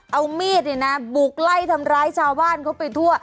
เอามีดบุกไล่ทำร้ายชาวบ้านเขาไปถั่ว